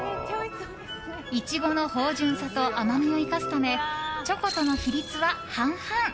イチゴの芳醇さと甘みを生かすためチョコとの比率は半々。